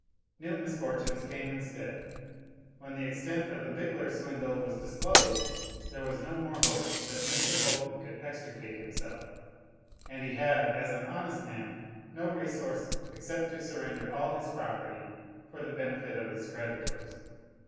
New misfortunes came instead. When the extent of the Bigler swindle was disclosed there was no more hope that Mr. Bolton could extricate himself, and he had, as an honest man, no resource except to surrender all his property for the benefit of his creditors.